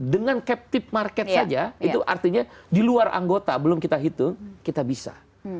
dengan captive market saja itu artinya di luar anggota belum kita hitung kita bisa